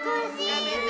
やめて！